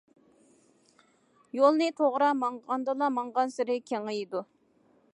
يولنى توغرا ماڭغاندىلا ماڭغانسېرى كېڭىيىدۇ.